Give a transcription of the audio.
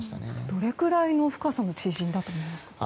どれくらいの深さの知人だと思いますか。